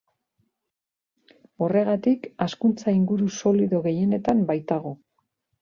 Horregatik hazkuntza-inguru solido gehienetan baitago.